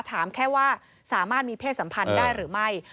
ถามแค่ว่าสามารถมีเพศสัมพันธ์ได้หรือไม่